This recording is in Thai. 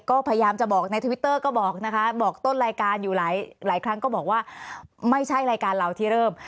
ก็พยายามจะบอกในทวิตเตอร์ก็บอกนะคะบอกต้นรายการอยู่หลายครั้งก็บอกว่าไม่ใช่รายการเราที่เริ่ม